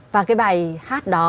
và cái bài hát đó